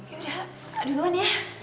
yaudah duluan ya